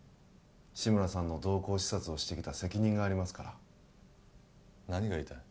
志村さんの動向視察をしてきた責任がありますから何が言いたい？